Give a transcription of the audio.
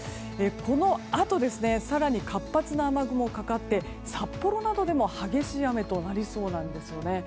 このあと更に活発な雨雲がかかって札幌などでも激しい雨となりそうなんですね。